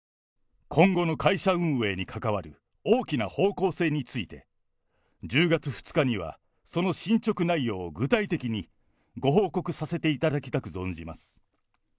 今後の会社運営に関わる大きな方向性について、１０月２日にはその進捗内容を具体的にご報告させていただきたく存じます。